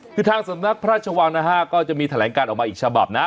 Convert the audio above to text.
คือทางสำนักพระราชวังนะฮะก็จะมีแถลงการออกมาอีกฉบับนะ